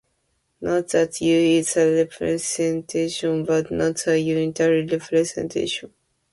Note that "u" is a representation, but not a unitary representation.